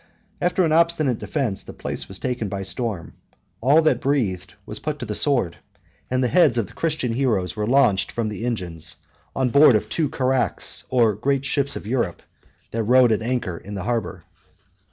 After an obstinate defence, the place was taken by storm: all that breathed was put to the sword; and the heads of the Christian heroes were launched from the engines, on board of two carracks, or great ships of Europe, that rode at anchor in the harbor.